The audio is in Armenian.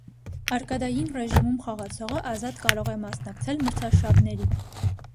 Արկադային ռեժիմում խաղացողը ազատ կարող է մասնակցել մրցարշավների։